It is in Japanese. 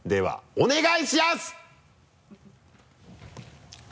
お願いします。